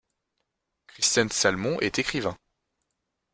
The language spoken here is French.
Christian Salmon est écrivain.